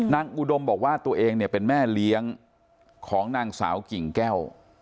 อุดมบอกว่าตัวเองเนี่ยเป็นแม่เลี้ยงของนางสาวกิ่งแก้ว